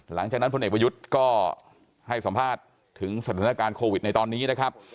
พลเอกประยุทธ์ก็ให้สัมภาษณ์ถึงสถานการณ์โควิดในตอนนี้นะครับ